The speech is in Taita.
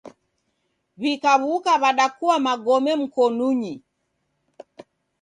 Wikawuka wadakua magome mkonunyi